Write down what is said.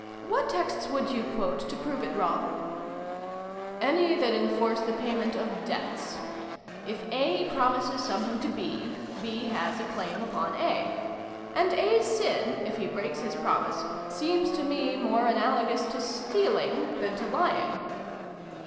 What texts would you quote, to prove it wrong ?" "Any that enforce the payment of debts. If A promises something to B, B has a claim upon A. And A's sin, if he breaks his promise, seems to me more analogous to stealing than to lying."